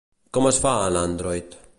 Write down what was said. Com es fa en Android?